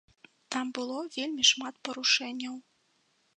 Там было вельмі шмат парушэнняў.